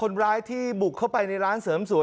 คนร้ายที่บุกเข้าไปในร้านเสริมสวย